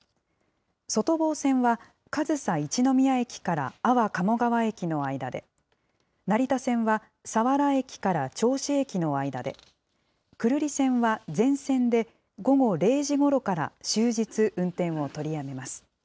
外房線は上総一ノ宮駅から安房鴨川駅の間で、成田線は佐原駅から銚子駅の間で、久留里線は全線で午後０時ごろから終日運転を取りやめます。